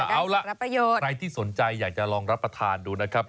เอาล่ะรับประโยชน์ใครที่สนใจอยากจะลองรับประทานดูนะครับ